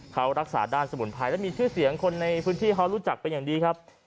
เขารักษาด้านสมุนไพรและมีชื่อเสียงคนในพื้นที่เขารู้จักเป็นอย่างดีครับ